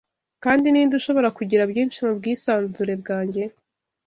Kandi ninde ushobora kugira byinshi mubwisanzure bwanjye